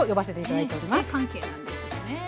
師弟関係なんですよね。